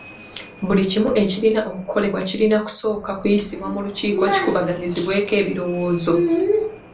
Buli kimu ekirina okukolebwa kirina kusooka kuyisibwa mu lukiiko kikubaganyizibweko ebirowoozo.